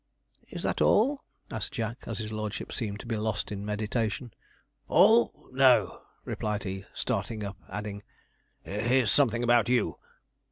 'Is that all?' asked Jack, as his lordship seemed lost in meditation. 'All? no!' replied he, starting up, adding, 'here's something about you.'